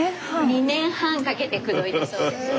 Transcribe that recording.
２年半かけて口説いたそうです。